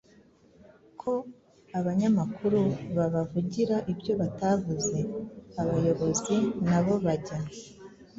ko abanyamakuru babavugira ibyo batavuze. Abayobozi na bo bajya